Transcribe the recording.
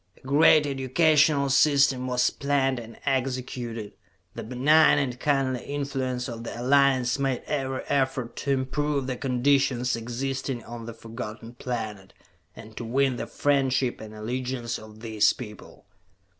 A great educational system was planned and executed, the benign and kindly influence of the Alliance made every effort to improve the conditions existing on the Forgotten Planet, and to win the friendship and allegiance of these people.